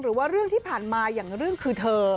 หรือว่าเรื่องที่ผ่านมาอย่างเรื่องคือเธออืม